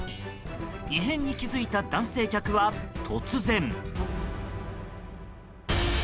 異変に気付いた男性客は突然。